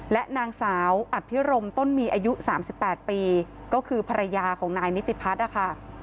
และนางสาวอภิรมต้นมีอายุ๓๘ปีก็คือภรรยาของนายนิติพัฒน์นะคะ